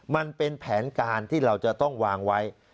มันเป็นแผนการที่เราจะต้องวางไว้